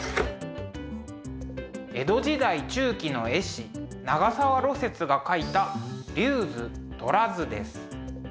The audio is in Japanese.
江戸時代中期の絵師長沢芦雪が描いた「龍図」「虎図」です。